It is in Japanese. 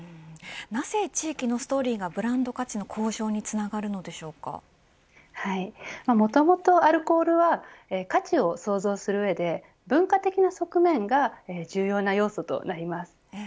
なぜ地域のストーリーがブランド価値の向上にもともとアルコールは価値を創造する上で文化的な側面が重要な要素となります。